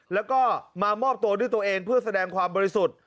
แล้วก็มามอบตัวด้วยตัวเองเพื่อแสดงความบริสุทธิ์